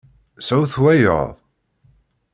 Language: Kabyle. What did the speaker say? Sɛut wayeḍ.